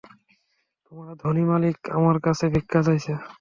তোমার ধনী মালিক আমার কাছে ভিক্ষা চাইছে।